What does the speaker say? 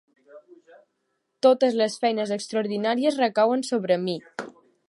Totes les feines extraordinàries recauen sobre mi!